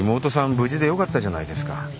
無事でよかったじゃないですか。